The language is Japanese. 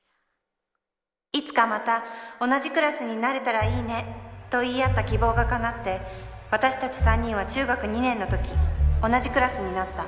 いつかまた同じクラスになれたら良いねと言い合った希望が叶って私たち三人は中学２年の時同じクラスになった。